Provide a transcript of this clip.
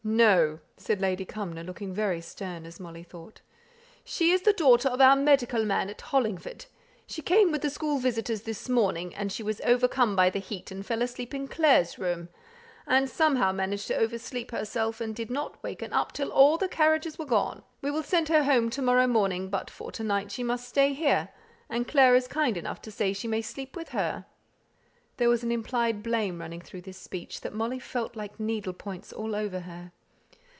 "No!" said Lady Cumnor, looking very stern, as Molly thought. "She is the daughter of our medical man at Hollingford; she came with the school visitors this morning, and she was overcome by the heat and fell asleep in Clare's room, and somehow managed to over sleep herself, and did not waken up till all the carriages were gone. We will send her home to morrow morning, but for to night she must stay here, and Clare is kind enough to say she may sleep with her." There was an implied blame running through this speech, that Molly felt like needle points all over her.